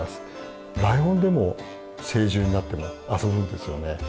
ライオンでも成獣になっても遊ぶんですよね。